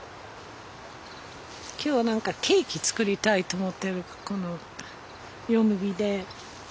今日はケーキ作りたいと思ってるこのヨモギで。